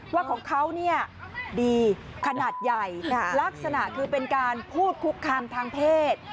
ว่าของเขาดีขนาดใหญ่ลักษณะคือเป็นการพูดคุกคามทางเพศ